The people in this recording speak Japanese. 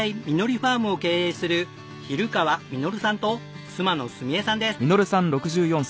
ファームを経営する比留川実さんと妻のスミ江さんです。